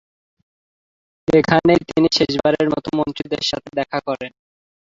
এখানেই তিনি শেষবারের মত মন্ত্রীদের সাথে দেখা করেন।